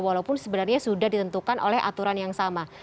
walaupun sebenarnya sudah ditentukan oleh aturan yang sama